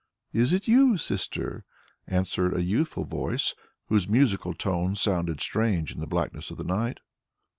"Is it you, Sister?" answered a youthful voice whose musical tones sounded strange in the blackness of the night.